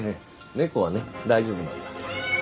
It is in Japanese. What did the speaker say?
猫はね大丈夫なんだ。